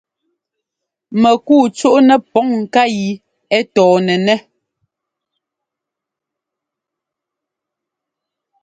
Mɛkuu cúʼnɛ pǔŋ ŋká yi ɛ tɔɔnɛnɛ́.